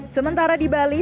sementara di bali